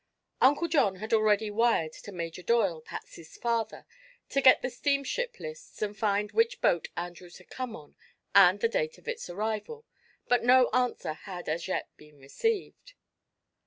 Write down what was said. Uncle John had already wired to Major Doyle, Patsy's father, to get the steamship lists and find which boat Andrews had come on and the date of its arrival, but no answer had as yet been received.